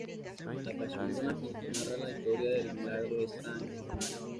La "Passio Donati" narra la historia del milagro de san Donato.